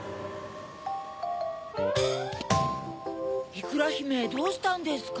いくらひめどうしたんですか？